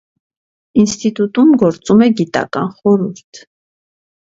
Ինստիտուտում գործում է գիտական խորհուրդ։